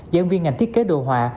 giảng viên ngành thiết kế đồ họa